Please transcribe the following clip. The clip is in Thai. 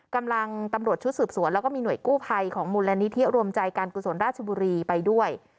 ตำรวจชุดสืบสวนแล้วก็มีหน่วยกู้ภัยของมูลนิธิรวมใจการกุศลราชบุรีไปด้วย